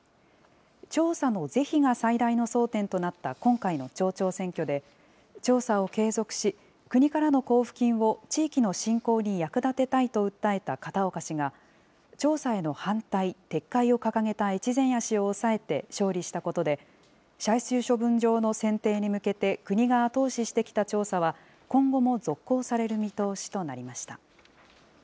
調査の是非が最大の争点となった今回の町長選挙で、調査を継続し、国からの交付金を地域の振興に役立てたいと訴えた片岡氏が、調査への反対・撤回を掲げた越前谷氏を抑えて勝利したことで、最終処分場の選定に向けて国が後押ししてきた調査は、今後も続行される見通しとなりました。